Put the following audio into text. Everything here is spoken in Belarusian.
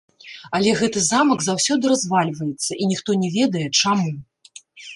Але гэты замак заўсёды развальваецца, і ніхто не ведае, чаму.